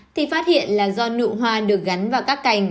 thì phát hiện là do nụ hoa được gắn vào các cửa hàng rong